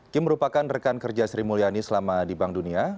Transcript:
kim merupakan rekan kerja sri mulyani selama di bank dunia